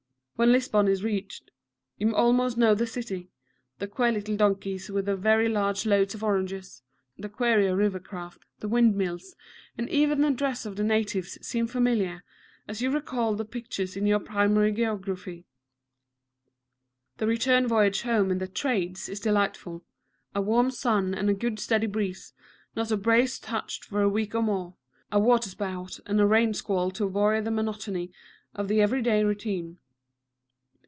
When Lisbon is reached, you almost know the city the queer little donkeys with very large loads of oranges, the queerer river craft, the windmills, and even the dress of the natives seem familiar as you recall the pictures in your primary geography. The return voyage home in the "trades" is delightful a warm sun and a good steady breeze, not a brace touched for a week or more, a water spout and a rain squall to vary the monotony of the every day routine.